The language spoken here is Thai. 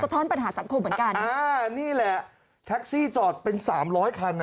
อ๋อสะท้อนปัญหาสังคมเหมือนกันอ่านี่แหละแท็กซี่จอดเป็น๓๐๐คัน